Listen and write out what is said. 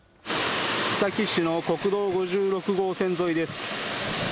須崎市の国道５６号線沿いです。